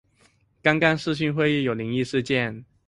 剛剛視訊會議有靈異事件